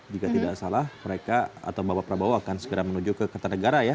jika tidak salah mereka atau bapak prabowo akan segera menuju ke kertanegara ya